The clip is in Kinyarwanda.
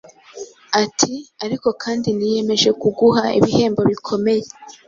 ati «ariko kandi niyemeje kuguha ibihembo bikomeye;